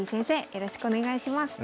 よろしくお願いします。